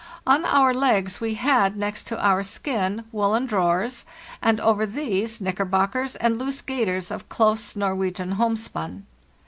On our legs we had, next our skin, woollen drawers, and over these knickerbockers and loose gaiters of close Norwegian homespun.